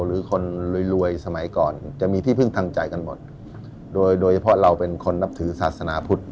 หรือคนรวยรวยสมัยก่อนจะมีที่พึ่งทางใจกันหมดโดยโดยเฉพาะเราเป็นคนนับถือศาสนาพุทธ